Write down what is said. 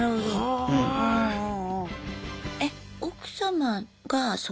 ああ。